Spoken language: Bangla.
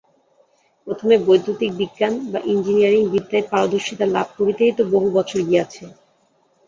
প্রথমে বৈদ্যুতিক বিজ্ঞান বা ইঞ্জিনীয়ারিং বিদ্যায় পারদর্শিতা লাভ করিতেই তো বহু বছর গিয়াছে।